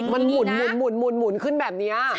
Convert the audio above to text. มันหมุนขึ้นแบบนี้